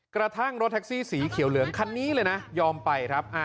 กระทั่งรถแท็กซี่สีเขียวเหลืองคันนี้เลยนะยอมไปครับ